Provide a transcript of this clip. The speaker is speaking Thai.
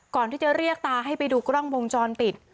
ก่อนที่จะเรียกตาให้ไปดูกล้องวงจรปิด